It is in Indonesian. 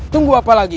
tunggu apa lagi